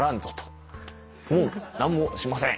もう何もしません